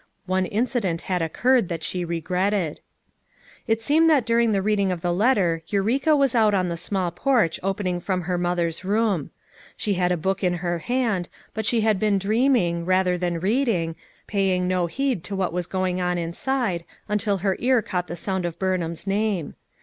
One incident had occurred that she regretted. It seemed that during the reading of the letter 334 FOUR MOTHERS AT CIIAUTAUQUA Eureka was out on the small porch opening from her mother's room. She had a book in her hand, but she had been dreaming, rather than reading, paying no heed to what was go ing on inside until her ear caught the sound of Burnham's name.